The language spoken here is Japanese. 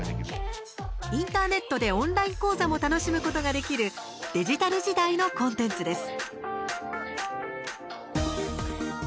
インターネットでオンライン講座も楽しむことができるデジタル時代のコンテンツです。